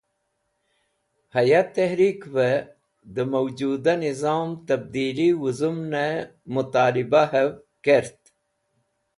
Haya Tehrikve de Mawjuda Nizam Tabdili wuzumne Mutalibahev kert.